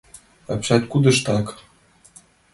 — Апшаткудыштак.